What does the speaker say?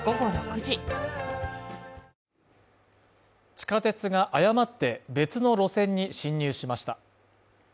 地下鉄が誤って別の路線に進入しました。